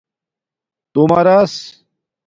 تُݸمارس